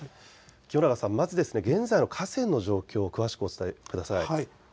清永さん、まず現在の河川の状況を詳しく伝えてください。